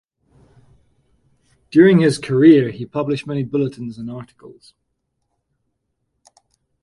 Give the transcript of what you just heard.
During his career he published many bulletins and articles.